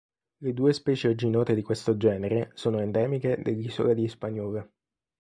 Le due specie oggi note di questo genere sono endemiche dell'isola di Hispaniola.